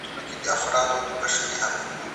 خدای پرې خوشحاليږي.